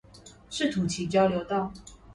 赤土崎交流道